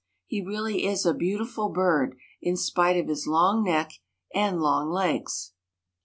He really is a beautiful bird in spite of his long neck and long legs.